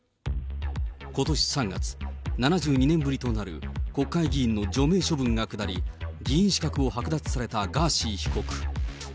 ことし３月、７２年ぶりとなる国会議員の除名処分が下り、議員資格を剥奪されたガーシー被告。